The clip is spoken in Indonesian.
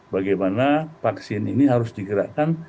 bagaimana vaksin ini harus digerakkan